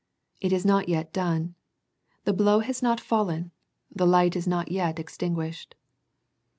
It is not yet done. The blow has not fallen. The light is not yet extinguished.